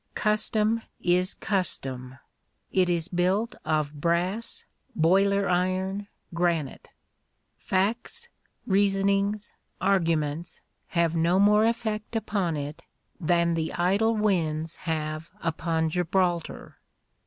Custom is custom ; it is built of brass, boiler iron, granite ; facts, reasonings, arguments have no more effect upon it than the idle winds have upon Gibraltar."